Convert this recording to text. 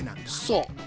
そう。